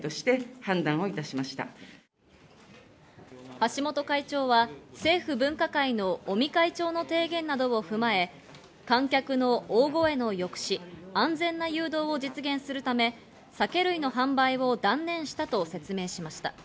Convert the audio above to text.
橋本会長は政府分科会の尾身会長の提言などをふまえ、観客の大声の抑止、安全な誘導実現するため、酒類の販売を断念したと説明しました。